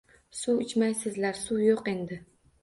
Suv ichmaysizlar, suv yo‘q endi.